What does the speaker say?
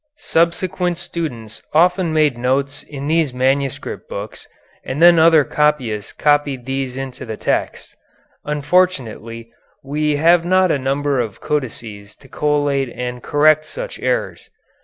Subsequent students often made notes in these manuscript books, and then other copyists copied these into the texts. Unfortunately we have not a number of codices to collate and correct such errors.